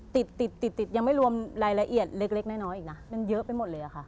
ติดติดติดยังไม่รวมรายละเอียดเล็กน้อยอีกนะมันเยอะไปหมดเลยอะค่ะ